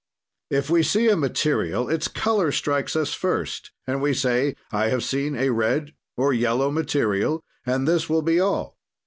"If we see a material, its color strikes us first and we say: I have seen a red or yellow material, and this will be all.